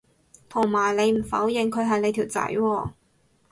同埋你唔否認佢係你條仔喎